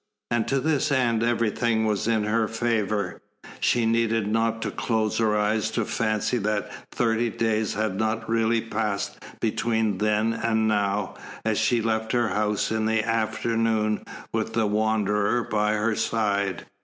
And to this end everything was in her favour. She needed not to close her eyes to fancy that thirty days had not really passed between then and now, as she left her house in the afternoon with the Wanderer by her side.